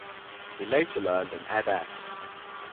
He later earned an Ed.S.